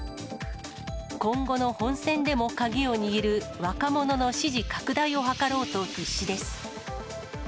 今後の本選でも鍵を握る若者の支持拡大を図ろうと必死です。